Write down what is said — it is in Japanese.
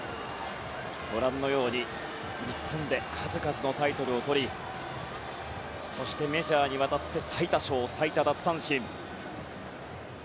ご覧のように日本で数々のタイトルをとりそしてメジャーに渡って最多勝、最多奪三振。